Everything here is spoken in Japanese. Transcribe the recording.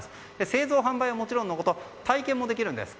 製造・販売はもちろんのこと体験もできるんです。